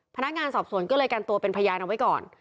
พนักงานสอบสวนก็เลยกันตัวเป็นพยานเอาไว้ก่อน